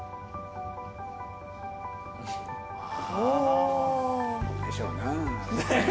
おお。でしょうな。